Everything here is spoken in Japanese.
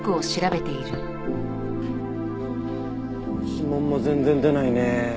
指紋も全然出ないね。